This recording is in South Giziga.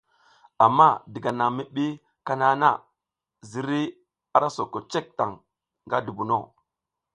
Amma diga nan mi bi kana na, zirey ara soko cek taŋ nga dubuno.